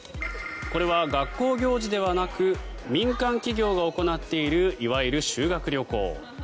これは、学校行事ではなく民間企業が行っているいわゆる修学旅行。